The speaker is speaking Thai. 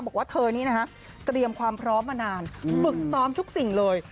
บอกว่าเธอนี่นะฮะเตรียมความพร้อมมานานฝึกซ้อมทุกสิ่งเลย